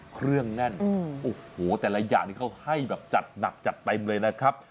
เครื่องแน่นโอ้โหแต่ละอย่างนี้เขาให้แบบจัดหนักจัดเต็มเลยนะครับ